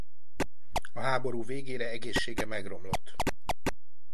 A háború végére egészsége megromlott.